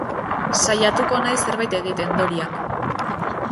Saiatuko naiz zerbait egiten, Dorian.